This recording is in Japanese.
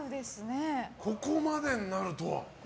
ここまでになるとは。